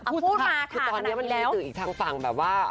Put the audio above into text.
พูดมาค่ะตอนนี้มันมีอีกทางฝั่งแบบว่า